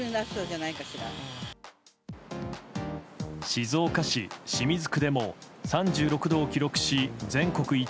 静岡市清水区でも３６度を観測し全国一